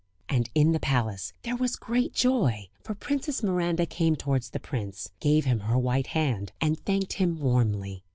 And in the palace there was great joy; for Princess Miranda came towards the prince, gave him her white hand, and thanked him warmly.